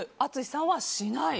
淳さんはしない。